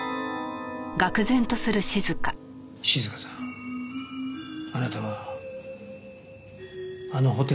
静香さんあなたはあのホテルの部屋に入られた。